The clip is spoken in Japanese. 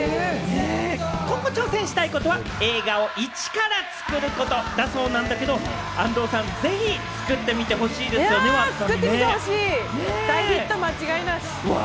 今後、挑戦したいことは映画を１から作ることだそうなんだけれども、安藤さん、ぜひ作ってみてほしいですよね、ＷｕｒｔＳさんにね。作ってみてほしい。